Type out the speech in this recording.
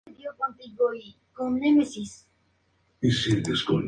Symonds era increíblemente introspectivo y melancólico, pero con gran capacidad de acción.